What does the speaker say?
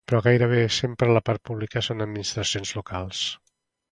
però gairebé sempre la part pública són administracions locals